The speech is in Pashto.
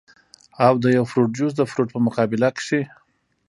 او د يو فروټ جوس د فروټ پۀ مقابله کښې